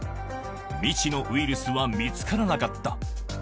未知のウイルスは見つからなかった。